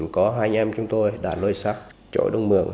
có hai anh em chúng tôi đã lôi sắt chỗ đông mường